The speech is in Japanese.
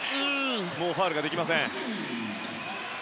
もうファウルができません。